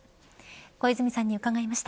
小泉さんに伺いました。